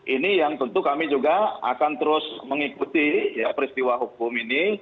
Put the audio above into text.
ini yang tentu kami juga akan terus mengikuti peristiwa hukum ini